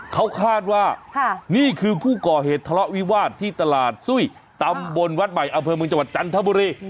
เขาคาดว่านี่คือผู้ก่อเหตุทะเลาะวิวาสที่ตลาดซุ้ยตำบลวัดใหม่อำเภอเมืองจังหวัดจันทบุรี